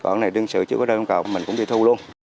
còn cái này đơn sử chưa có đơn yêu cầu mình cũng đi thu luôn